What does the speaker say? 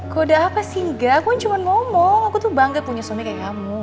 kalau udah apa sih enggak aku cuma ngomong aku tuh bangga punya suami kayak kamu